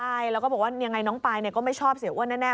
ใช่แล้วก็บอกว่ายังไงน้องปายก็ไม่ชอบเสียอ้วนแน่